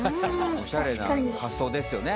おしゃれな発想ですよね。